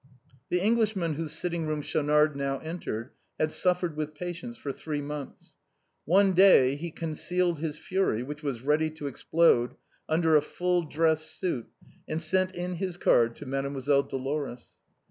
The Englishman whose sitting room Schaunard now entered, had suffered with patience for three months. One day he concealed his fury, which was ready to explode, under a full dress suit, and sent in his card to Made moiselle Dolores.